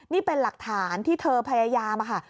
นี่เป็นหลักฐานที่เธอพยายามค่ะ